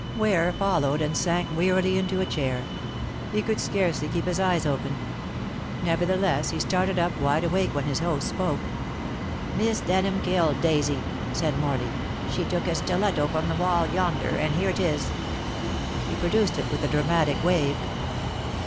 Ware followed and sank wearily into a chair. He could scarcely keep his eyes open. Nevertheless he started up wide awake when his host spoke. "Miss Denham killed Daisy," said Morley. "She took a stiletto from the wall yonder, and here it is." He produced it with a dramatic wave.